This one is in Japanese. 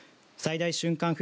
最大瞬間